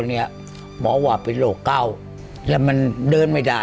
เนี้ยหมอบอกว่าเป็นโรคเก่าทำมันเดินไม่ได้